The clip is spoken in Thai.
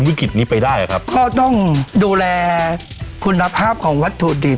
วิกฤตนี้ไปได้ครับก็ต้องดูแลคุณภาพของวัตถุดิบ